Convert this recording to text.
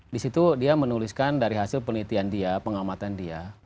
di situ dia menuliskan dari hasil penelitian dia pengamatan dia